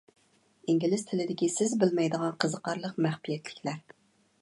ئىنگلىز تىلىدىكى سىز بىلمەيدىغان قىزىقارلىق مەخپىيەتلىكلەر.